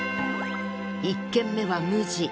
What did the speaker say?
１軒目は無地。